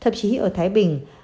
thậm chí ở thái bình